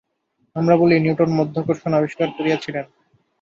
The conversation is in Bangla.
আমরা বলি, নিউটন মাধ্যাকর্ষণ আবিষ্কার করিয়াছিলেন।